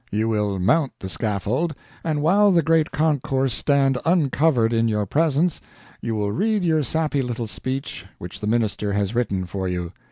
You will mount the scaffold, and while the great concourse stand uncovered in your presence, you will read your sappy little speech which the minister has written for you.